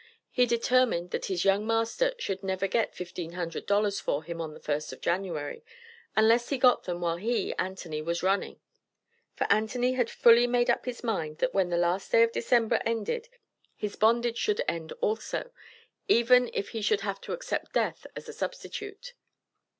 He determined that his young master should never get "fifteen hundred dollars for him on the 1st of January," unless he got them while he (Anthony) was running. For Anthony had fully made up his mind that when the last day of December ended, his bondage should end also, even if he should have to accept death as a substitute.